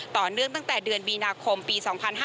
ต่อเนื่องตั้งแต่เดือนมีนาคมปี๒๕๕๙